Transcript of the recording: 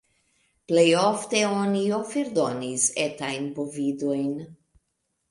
Plejofte oni oferdonis etajn bovidojn.